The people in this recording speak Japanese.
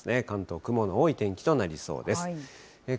関東、雲の多い天気となりそうです。